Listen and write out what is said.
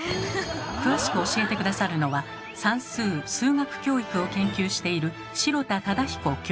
詳しく教えて下さるのは算数・数学教育を研究している